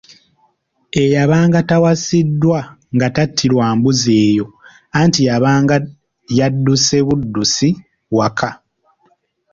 Eyabanga tawasiddwa nga tattirwa mbuzi eyo anti yabanga yadduse buddusi waka.